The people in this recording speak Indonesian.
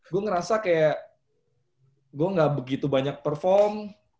gue ngerasa kayak gue gak begitu banyak perform